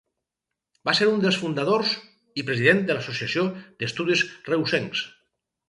Va ser un dels fundadors i president de l'Associació d'Estudis Reusencs.